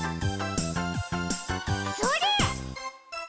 それ！